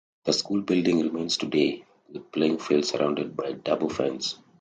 The school building remains today, with playing fields surrounded by a double fence.